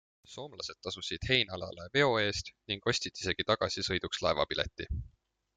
Soomlased tasusid Heinalale veo eest ning ostsid isegi tagasisõiduks laevapileti.